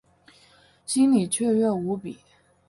心里雀跃无比